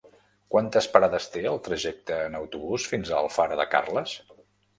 Quantes parades té el trajecte en autobús fins a Alfara de Carles?